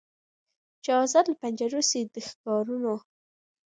چي آزاد له پنجرو سي د ښکاریانو